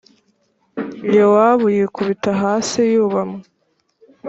Yowabu yikubita hasi yubamwe